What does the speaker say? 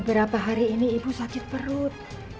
berapa hari ini ibu sakit perut